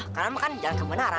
kanan mah kan jalan kebenaran